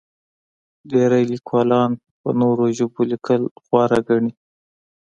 ډېری لیکوالان په نورو ژبو لیکل غوره ګڼي.